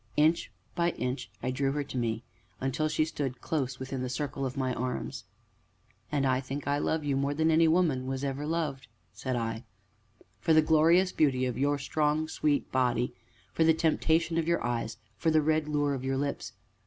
Inch by inch I drew her to me, until she stood close, within the circle of my arms. "And I think I love you more than any woman was ever loved!" said I; "for the glorious beauty of your strong, sweet body, for the temptation of your eyes, for the red lure of your lips!"